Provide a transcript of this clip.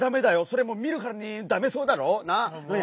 それ見るからにダメそうだろう？